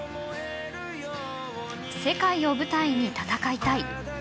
世界を舞台に戦いたい。